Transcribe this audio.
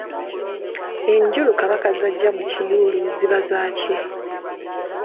Enjulu Kabaka z'aggya mu kiyulu ziba zaki?